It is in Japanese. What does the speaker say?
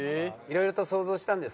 色々と想像したんですか？